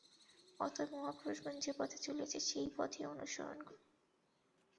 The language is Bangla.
অতএব মহাপুরুষগণ যে পথে চলিয়াছেন, সেই পথই অনুসরণীয়।